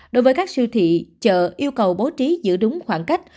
đối với các siêu thị chợ yêu cầu bố trí giữ đúng khoảng cách